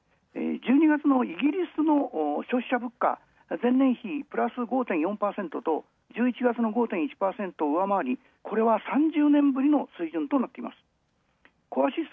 １１月のイギリスの消費者物価、前年比プラス４．５％と、１１月の５．１％を上回りこれは３０年ぶりの水準となってます。